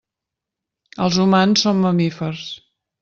Els humans són mamífers.